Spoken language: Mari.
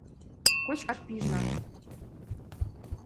Кочкаш пижна.